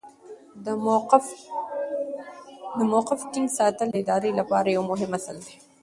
د موقف ټینګ ساتل د ادارې لپاره یو مهم اصل دی.